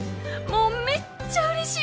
もうめっちゃうれしい！